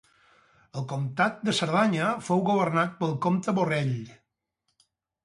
El Comtat de Cerdanya fou governat pel comte Borrell.